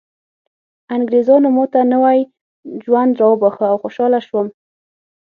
انګریزانو ماته نوی ژوند راوباښه او خوشحاله شوم